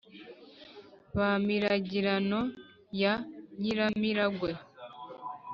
ba miragirano ya nyiramiragwe,